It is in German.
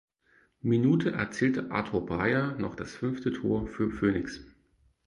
Minute erzielte Arthur Beier noch das fünfte Tor für Phönix.